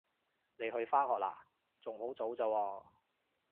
你去返學喇？仲好早咋喎